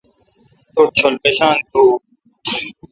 توٹھ چول پیشان تو۔